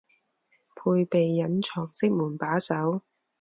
配备隐藏式门把手